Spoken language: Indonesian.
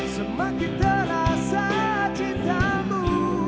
semakin terasa cintamu